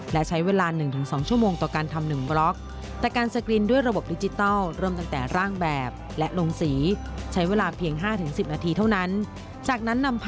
และใช้เวลา๑๒ชั่วโมงต่อการทำ๑บล็อก